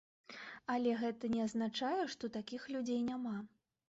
Але гэта не азначае, што такіх людзей няма.